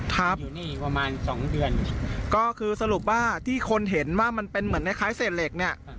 ทับอยู่นี่ประมาณสองเดือนก็คือสรุปว่าที่คนเห็นว่ามันเป็นเหมือนคล้ายคล้ายเศษเหล็กเนี่ย